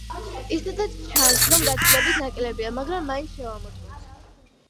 ისედაც ჩანს, რომ გაცილებით ნაკლებია, მაგრამ მაინც შევამოწმოთ.